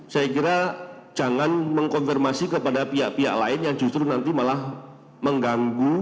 saya kira jangan mengkonfirmasi kepada pihak pihak lain yang justru nanti malah mengganggu